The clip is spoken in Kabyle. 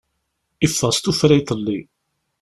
Yeffeɣ s tuffra iḍelli.